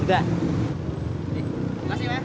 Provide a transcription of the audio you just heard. terima kasih mas